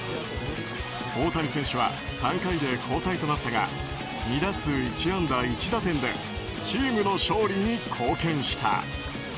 大谷選手は３回で交代となったが２打数１安打１打点でチームの勝利に貢献した。